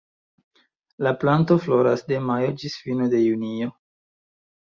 La planto floras de majo ĝis fino de junio.